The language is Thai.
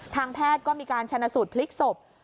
ทางแพทย์ก็มีการชนะสูตรพลิกศพ